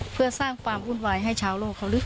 เพื่อสร้างฝั่งมุ่นวายให้ชาวโลกเขาหรือ